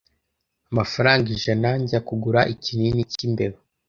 amafaranga ijana njya kugura ikinini cy’imbeba